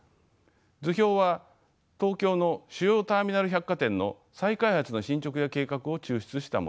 図表は東京の主要ターミナル百貨店の再開発の進捗や計画を抽出したものです。